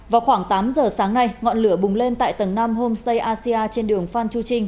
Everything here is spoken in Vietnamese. vào khoảng tám giờ sáng nay ngọn lửa bùng lên tại tầng năm homestay asia trên đường phan chu trinh